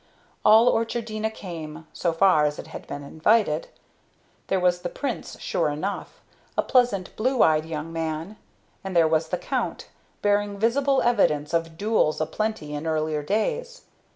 All Orchardina came so far as it had been invited. There was the Prince, sure enough a pleasant, blue eyed young man. And there was the Count, bearing visible evidence of duels a plenty in earlier days.